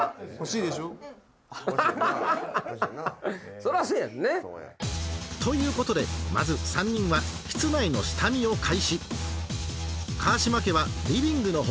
そらそうやんね。という事でまず３人は室内の下見を開始川島家はリビングの他